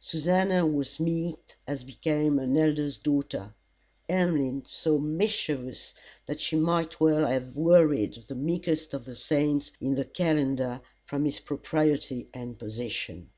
Susannah was meek as became an Elder's daughter; Emmeline so mischievous that she might well have worried the meekest of the saints in the calendar from his propriety and position.